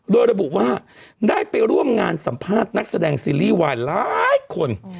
โดยระบุว่าได้ไปร่วมงานสัมภาษณ์นักแสดงซีรีส์วายหลายคน